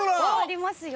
ありますよ。